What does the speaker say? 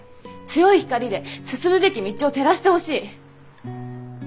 強い光で進むべき道を照らしてほしい。